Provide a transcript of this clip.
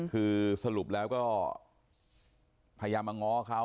คือสรุปแล้วก็พยายามมาง้อเขา